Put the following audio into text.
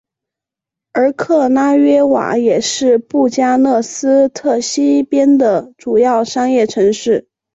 而克拉约瓦也是布加勒斯特西边的主要商业城市。